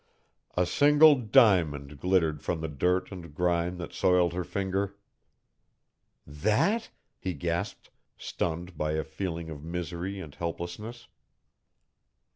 A single diamond glittered from the dirt and grime that soiled her finger. "That?" he gasped, stunned by a feeling of misery and helplessness.